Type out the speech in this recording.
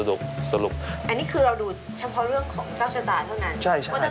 สรุปสรุปอันนี้คือเราดูเฉพาะเรื่องของเจ้าชะตาเท่านั้น